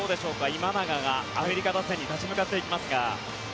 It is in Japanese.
今永がアメリカ打線に立ち向かっていきますが。